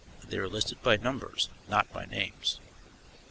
They were listed by numbers, not by names.